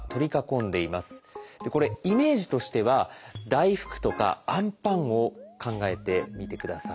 これイメージとしては大福とかあんパンを考えてみてください。